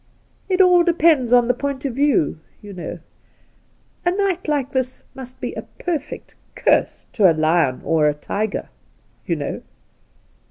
It all depends on the point of view, you know. A night like this must be a perfect curse to a lion or a tiger, you know.'